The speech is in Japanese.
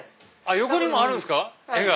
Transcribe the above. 横にもあるんですか絵が！